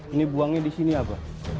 ini buangnya di sini apa